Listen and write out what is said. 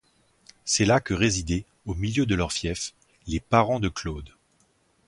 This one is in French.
C'est là que résidaient, au milieu de leur fief, les parents de Claude.